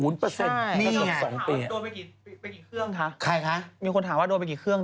ใช่มีคนถามว่าโดนไปกี่เครื่องคะ